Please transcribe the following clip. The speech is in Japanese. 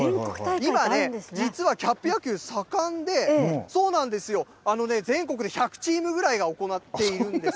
今ね、実はキャップ野球盛んで、全国で１００チームぐらいが行っているんです。